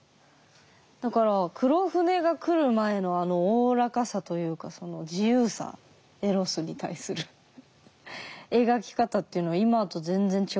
だから黒船が来る前のあのおおらかさというか自由さエロスに対する描き方っていうのは今と全然違いましたね。